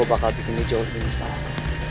lu bakal bikin lo jauh lebih salah